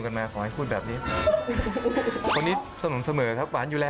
คนนี้เขาเข้ามาไม่คิดว่าน่ากลับให้กิน